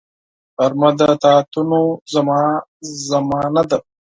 غرمه د طاعتونو زمان ده